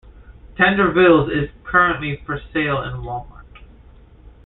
Tender Vittles is currently for sale in Wal Mart.